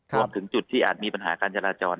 รวมถึงจุดที่อาจมีปัญหาการจราจร